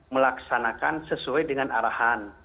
melaksanakan sesuai dengan arahan